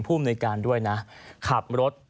ผู้บริการด้วยนะขับรถ